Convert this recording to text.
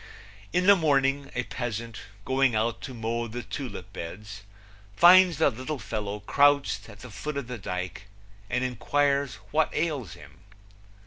In the morning a peasant, going out to mow the tulip beds, finds the little fellow crouched at the foot of the dike and inquires what ails him.